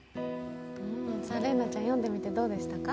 麗菜ちゃん、読んでみてどうでしたか？